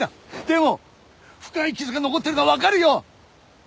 でも深い傷が残ってるのはわかるよ！